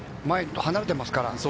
前と離れていますから。